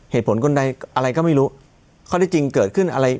เหตุผลคนใดอะไรก็ไม่รู้เขาได้จริงเกิดขึ้นอะไร